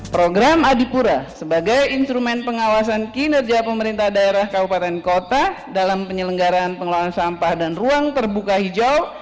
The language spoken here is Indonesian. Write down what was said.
program adipura sebagai instrumen pengawasan kinerja pemerintah daerah kabupaten kota dalam penyelenggaraan pengelolaan sampah dan ruang terbuka hijau